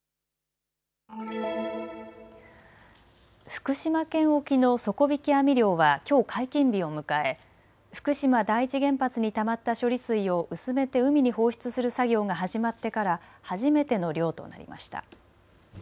福島県沖の底引き網漁はきょう解禁日を迎え、福島第一原発にたまった処理水を薄めて海に放出する作業が始まってから初めての漁となりました。